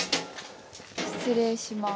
失礼します。